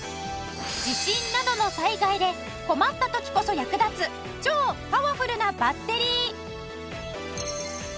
地震などの災害で困った時こそ役立つ超パワフルなバッテリー！